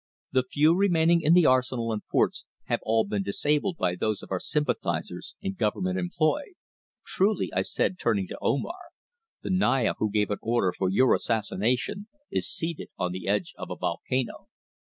The few remaining in the arsenal and forts have all been disabled by those of our sympathisers in government employ." "Truly," I said, turning to Omar, "the Naya who gave an order for your assassination is seated on the edge of a volcano."